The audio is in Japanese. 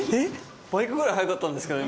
バイクくらい速かったんですけど、今。